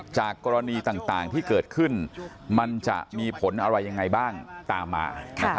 จากกรณีต่างที่เกิดขึ้นมันจะมีผลอะไรยังไงบ้างตามมา